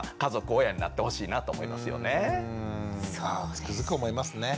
つくづく思いますね。